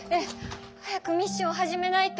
早くミッションを始めないと。